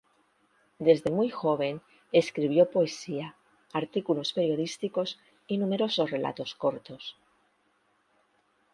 Desde muy joven escribió poesía, artículos periodísticos y numerosos relatos cortos.